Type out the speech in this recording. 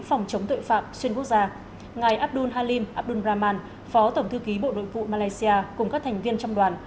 phòng chống tội phạm xuyên quốc gia ngài abdul halim abdul rahman phó tổng thư ký bộ đội vụ malaysia cùng các thành viên trong đoàn